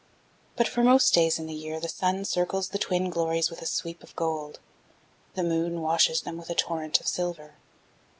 But for most days in the year the sun circles the twin glories with a sweep of gold. The moon washes them with a torrent of silver.